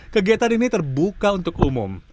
kegiatan ini terbuka untuk umum